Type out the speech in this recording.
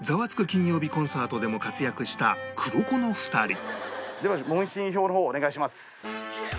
金曜日コンサートでも活躍した黒子の２人では問診票の方お願いします。